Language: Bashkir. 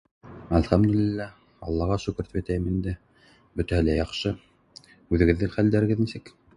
Әлхәмдулилләһ, Аллаға шөкөр тип әйтәйем инде, бөтәһе лә яҡшы, үҙегеҙҙең хәлдәрегеҙ нисек?